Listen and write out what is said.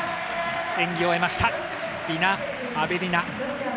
演技を終えましたディナ・アベリナ。